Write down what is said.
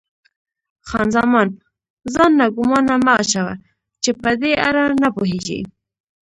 خان زمان: ځان ناګومانه مه اچوه، چې په دې اړه نه پوهېږې.